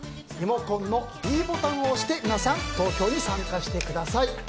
リモコンのｄボタンを押して皆さん、投票に参加してください。